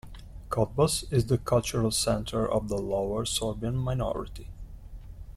Cottbus is the cultural centre of the Lower Sorbian minority.